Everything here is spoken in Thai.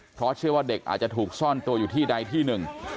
เพราะเชื่อว่าเด็กอาจจะถูกซ่อนตัวอยู่ที่ใดที่หนึ่ง